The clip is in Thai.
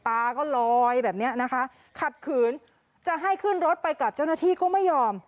ตาก็ลอยแบบเนี้ยนะคะขัดขืนจะให้ขึ้นรถไปกับเจ้าหน้าที่ก็ไม่ยอม